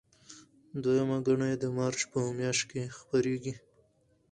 دویمه ګڼه یې د مارچ په میاشت کې خپریږي.